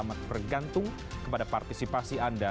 amat bergantung kepada partisipasi anda